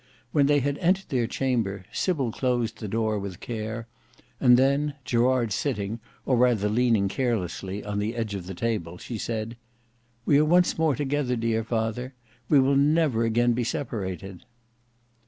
When they had entered their chamber. Sybil closed the door with care, and then, Gerard sitting, or rather leaning carelessly, on the edge of the table, she said, "We are once more together, dear father; we will never again he separated."